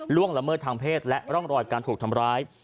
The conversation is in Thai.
หล่วงละเมินทางเพศและร่องรอยการศพทำร้าย